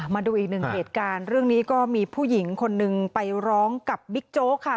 มาดูอีกหนึ่งเหตุการณ์เรื่องนี้ก็มีผู้หญิงคนนึงไปร้องกับบิ๊กโจ๊กค่ะ